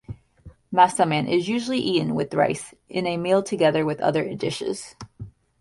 "Massaman" is usually eaten with rice, in a meal together with other dishes.